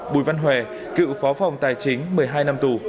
bùi văn hòe cựu phó phòng tài chính một mươi hai năm tù